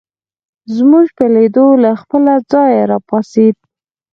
زموږ په لیدو له خپله ځایه راپاڅېد.